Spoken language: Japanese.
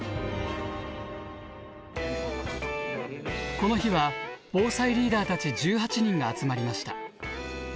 この日は防災リーダーたち１８人が集まりました。